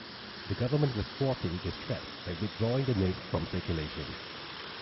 The government was thwarting this threat by withdrawing the notes from circulation.